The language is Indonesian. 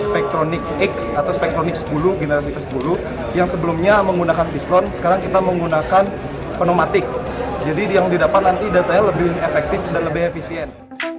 pertama ini adalah pembaru